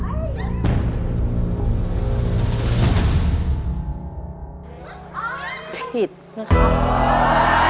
สามารถสามารถแบบของพุ่มพวงดวงจันทร์ที่เลย